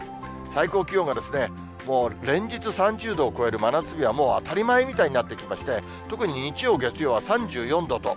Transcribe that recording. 最高気温がもう連日３０度を超える真夏日はもう当たり前みたいになってきまして、特に日曜、月曜は３４度と、